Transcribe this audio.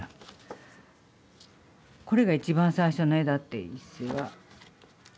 これが一番最初の絵だって一成は。